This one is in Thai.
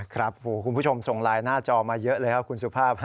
คุณผู้ชมส่งไลน์หน้าจอมาเยอะเลยครับคุณสุภาพ